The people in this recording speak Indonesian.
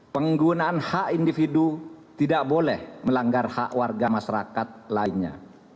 penggunaan hak individu tidak boleh melanggar hak warga masyarakat lainnya